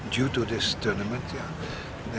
disebabkan turnamen ini